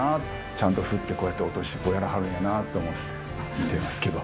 ちゃんと振って、こうやって落としてやりはるんやなと思って見てますけど。